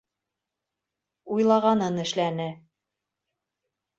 Уйлағанын эшләне.